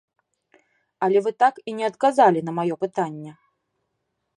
Але вы так і не адказалі на маё пытанне.